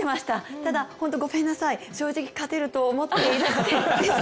ただ、本当にごめんなさい正直勝てると思っていなくてですね